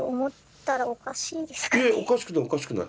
いやおかしくないおかしくない。